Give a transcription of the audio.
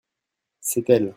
c'est elles.